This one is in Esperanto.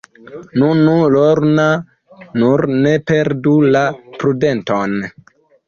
Nu, nu, Lorna, nur ne perdu la prudenton.